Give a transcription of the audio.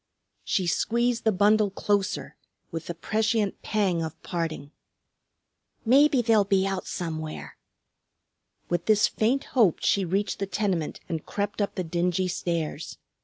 She squeezed the bundle closer with the prescient pang of parting. "Maybe they'll be out somewhere." With this faint hope she reached the tenement and crept up the dingy stairs.